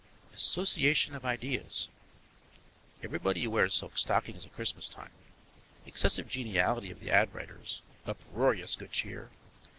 Association of ideas. Everybody wears silk stockings at Christmas time. Excessive geniality of the ad writers. Uproarious good cheer.